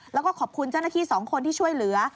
แล้วก็ขอบคุณเจ้าหน้าที่๒คนที่ช่วยเหลือ